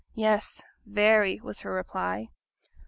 'Yes, very,' was her reply.